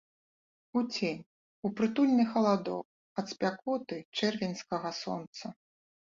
У цень, у прытульны халадок ад спякоты чэрвеньскага сонца!